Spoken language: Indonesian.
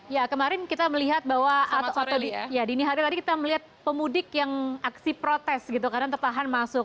ya kemarin kita melihat bahwa ya dini hari tadi kita melihat pemudik yang aksi protes gitu karena tertahan masuk